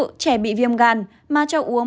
trẻ bị viêm gan mà cho uống